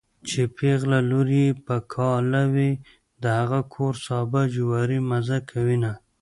چې پېغله لور يې په کاله وي د هغه کور سابه جواری مزه کوينه